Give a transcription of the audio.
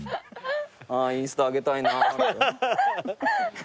「あぁインスタ上げたいな」